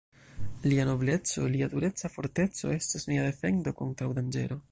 Lia nobleco, lia tureca forteco estos mia defendo kontraŭ danĝero.